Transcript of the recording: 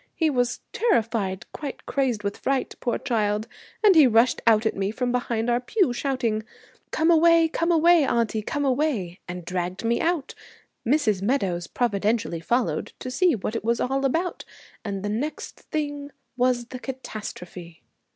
He was terrified, quite crazy with fright, poor child, and he rushed out at me from behind our pew shouting, "Come away, come away, auntie, come away!" and dragged me out. Mrs. Meadows providentially followed, to see what it was all about, and the next thing was the catastrophe.'